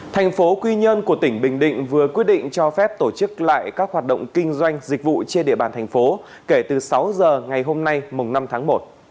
thành phố quy nhơn của tỉnh bình định vừa quyết định cho phép tổ chức lại các hoạt động kinh doanh dịch vụ trên địa bàn thành phố kể từ sáu giờ ngày hôm nay mùng năm tháng một